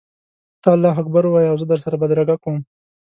ته الله اکبر ووایه او زه در سره بدرګه کوم.